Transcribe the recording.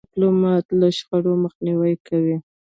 ډيپلومات له شخړو مخنیوی کوي.